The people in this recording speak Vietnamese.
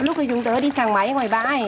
lúc chúng tôi đi sang máy ngoài bãi